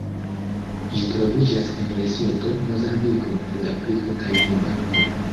Ĝi troviĝas en Lesoto, Mozambiko, Sudafriko kaj Zimbabvo.